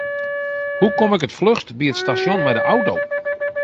Hoe kom ik it fluchst by it stasjon mei de auto?